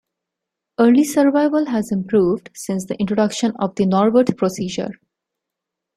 Early survival has improved since the introduction of the Norwood procedure.